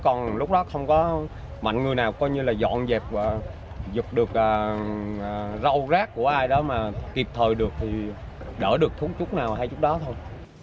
còn lúc đó không có mạnh người nào coi như là dọn dẹp và dục được râu rác của ai đó mà kịp thời được thì đỡ được thú chút nào hay chút đó thôi